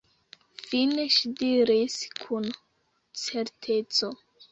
Fine ŝi diris kun certeco: